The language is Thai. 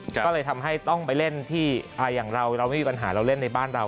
ก็เลยทำให้ต้องไปเล่นที่อย่างเราเราไม่มีปัญหาเราเล่นในบ้านเรา